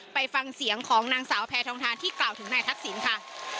ไปฟังเสียงของนางสาวแพทองทานที่กล่าวถึงนายทักษิณค่ะ